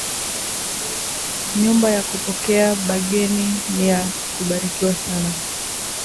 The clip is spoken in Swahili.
Nyumba ya kupokea ba geni niya kubarikiwa sana